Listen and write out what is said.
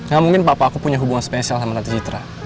gak mungkin papa aku punya hubungan spesial sama tante citra